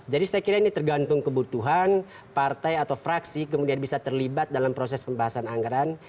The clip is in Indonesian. jadi saya kira ini tergantung kebutuhan partai atau fraksi kemudian bisa terlibat dalam proses pembahasan anggaran